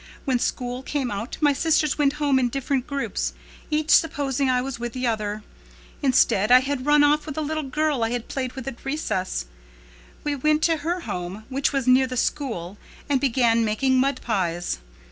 When school came out my sisters went home in different groups, each supposing I was with the other. Instead I had run off with a little girl I had played with at recess. We went to her home, which was near the school, and began making mud pies.